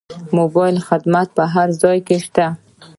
موبایل خدمات په هر ځای کې شته.